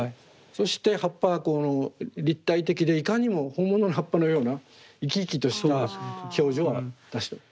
そして葉っぱがこの立体的でいかにも本物の葉っぱのような生き生きとした表情を出してます。